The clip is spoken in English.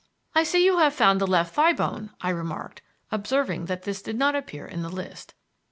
"I see you have found the left thigh bone," I remarked, observing that this did not appear in the list.